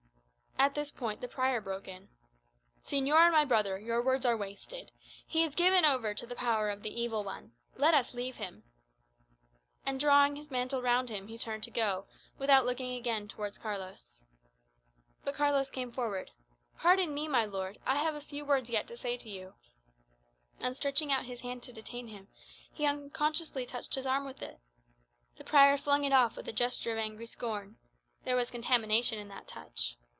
At this point the prior broke in. "Señor and my brother, your words are wasted. He is given over to the power of the evil one. Let us leave him." And drawing his mantle round him, he turned to go, without looking again towards Carlos. But Carlos came forward. "Pardon me, my lord; I have a few words yet to say to you;" and, stretching out his hand to detain him, he unconsciously touched his arm with it. The prior flung it off with a gesture of angry scorn. There was contamination in that touch.